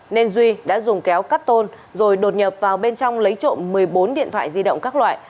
nên duy đã dùng kéo cắt tôn rồi đột nhập vào bên trong lấy trộm một mươi bốn điện thoại di động các loại